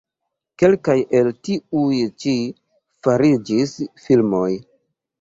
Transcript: Kelkaj el tiuj-ĉi fariĝis filmoj.